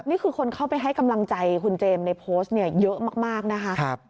นี่คือคนเข้าไปให้กำลังใจคุณเจมส์ในโพสต์เนี่ยเยอะมากนะคะ